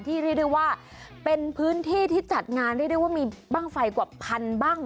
ที่เรียกได้ว่าเป็นพื้นที่ที่จัดงานบั้งไฟกว่าพันบั้ง